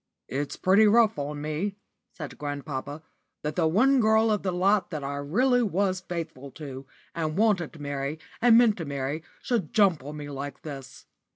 "It's pretty rough on me," said grandpapa, "that the one girl of the lot that I really was faithful to, and wanted to marry, and meant to marry, should jump on me like this.